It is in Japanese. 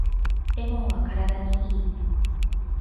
レモンは体にいい